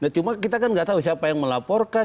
cuma kita kan nggak tahu siapa yang melaporkan